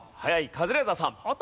カズレーザーさん。